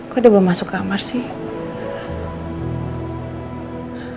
kok dia belum masuk kamar sih